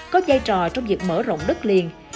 có giai trò trong việc mở rộng đất liền